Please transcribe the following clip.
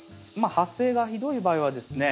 発生がひどい場合はですね